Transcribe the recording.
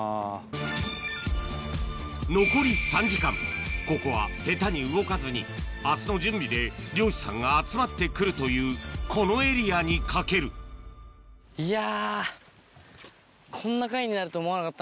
残り３時間ここは下手に動かずに明日の準備で漁師さんが集まってくるというこのエリアに懸けるいや。